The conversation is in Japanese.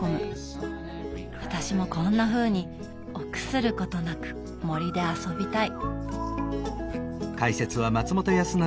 私もこんなふうに臆することなく森で遊びたい。